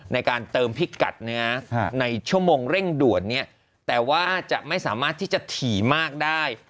ในการเติมพิกัดในชั่วโมงเร่งด่วนแต่ว่าจะไม่สามารถที่จะถี่มากได้